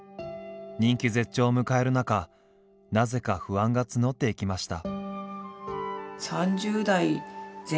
人気絶頂を迎える中なぜか不安が募っていきました。